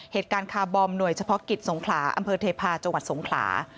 คาร์บอมหน่วยเฉพาะกิจสงขลาอำเภอเทพาะจังหวัดสงขลา